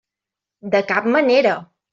De cap manera!